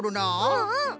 うんうん。